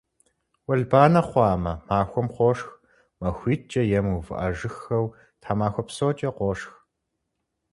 Уэлбанэ хъуамэ, махуэм къошх, махуитӀкӀэ е мыувыӀэжыххэу тхьэмахуэ псокӀэ къошх.